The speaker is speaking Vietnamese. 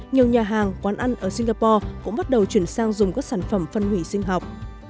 nhiều nhà hàng quán ăn ở singapore cũng bắt đầu chuyển sang dùng các sản phẩm phân hủy sinh học